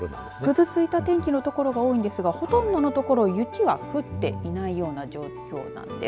ぐずついた天気の所が多いですがほとんどの所、雪が降っていない状況なんです。